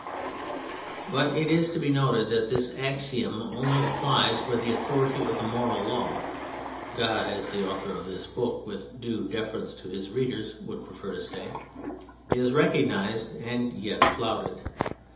But it is to be noted that this axiom onlv applies where the authority of the moral law (God, as the author of this book, with due deference to his readers, would prefer to say) is recognised and yet flouted.